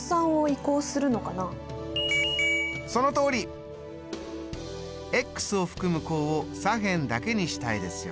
そのとおり！を含む項を左辺だけにしたいですよね。